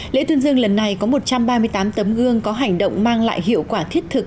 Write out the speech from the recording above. lễ tuyên dương lần này có một trăm ba mươi tám tấm gương có hành động mang lại hiệu quả thiết thực